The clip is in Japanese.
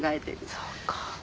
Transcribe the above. そうか。